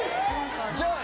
じゃあ。